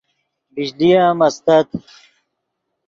بجلی ام استت